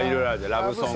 ラブソング。